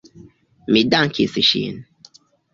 Mi dankis ŝin.